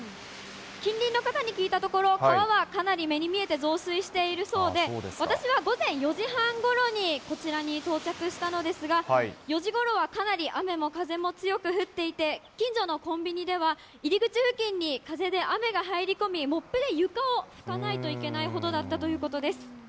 近隣の方に聞いたところ、川はかなり目に見えて増水しているそうで、私は午前４時半ごろにこちらに到着したのですが、４時ごろはかなり雨も風も強く降っていて、近所のコンビニでは、入り口付近に風で雨が入り込み、モップで床を拭かないといけないほどだったということです。